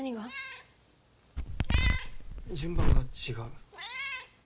順番が違う。